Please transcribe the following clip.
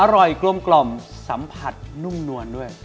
อร่อยกลมกล่อมสัมผัสนุ่มนวลด้วย